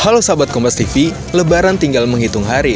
halo sahabat kompastv lebaran tinggal menghitung hari